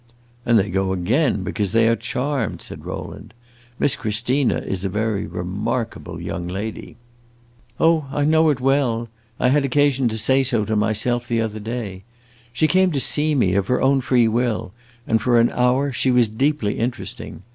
"And they go again because they are charmed," said Rowland. "Miss Christina is a very remarkable young lady." "Oh, I know it well; I had occasion to say so to myself the other day. She came to see me, of her own free will, and for an hour she was deeply interesting.